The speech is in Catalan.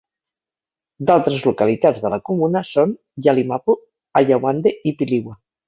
D'altres localitats de la comuna són: Yalimapo, Ayawande i Piliwa.